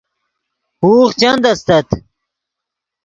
ہوغ چند استت